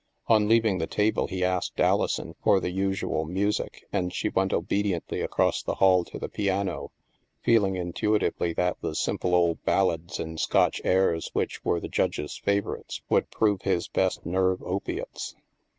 On leaving the table, he asked Alison for the usual music, and she went obediently across the hall to the piano, feeling intuitively that the simple old ballads and Scotch airs which were the Judge's favorites would prove his best nerve opiates.